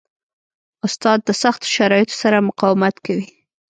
استاد د سختو شرایطو سره مقاومت کوي.